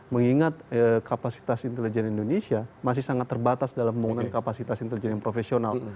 mengingat kapasitas intelijen indonesia masih sangat terbatas dalam pembangunan kapasitas intelijen yang profesional